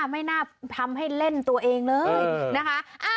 ไม่น่าทำให้เล่นตัวเองเลยนะคะ